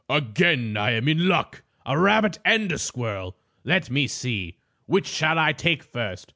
Again I am in luck! A rabbit and a squirrel! Let me see; which shall I take first?"